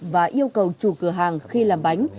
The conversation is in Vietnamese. và yêu cầu chủ cửa hàng khi làm bánh